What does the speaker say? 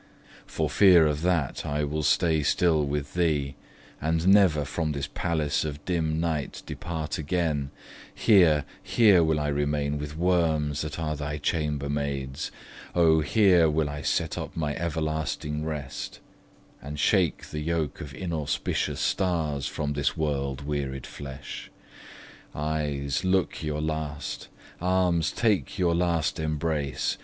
For fear of that, I will stay still with thee; And never from this palace of dim night Depart again: here, here will I remain With worms that are thy chamber maids; O, here Will I set up my everlasting rest; And shake the yoke of inauspicious stars From this world wearied flesh. Eyes, look your last! Arms, take your last embrace!